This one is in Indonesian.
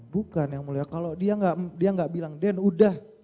bukan yang mulia kalau dia nggak bilang den udah